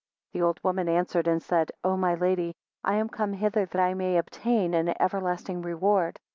16 The old woman answered, and said, O my Lady, I am come hither that I may obtain an everlasting reward.